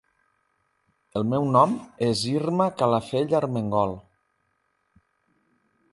El meu nom és Irma Calafell Armengol.